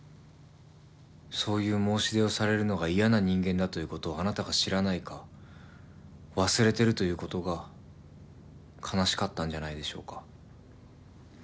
そういう申し出をされるのが嫌な人間だということをあなたが知らないか忘れてるということが悲しかったんじゃないでしょうか。